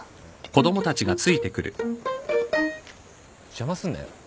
邪魔すんなよ。